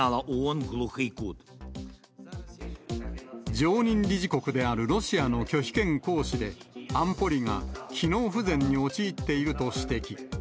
常任理事国であるロシアの拒否権行使で、安保理が機能不全に陥っていると指摘。